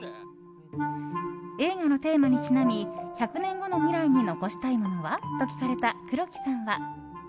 映画のテーマにちなみ１００年後の未来に残したいものは？と聞かれた黒木さんは。